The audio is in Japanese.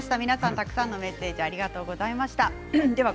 たくさんのメッセージありがとうございます。